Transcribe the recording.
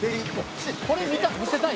これ見せたい？